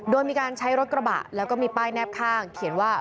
โดยมีการใช้รถกระบะแล้วก็มีป้ายแนบข้างเขียนว่า